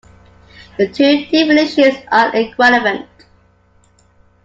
The two definitions are equivalent.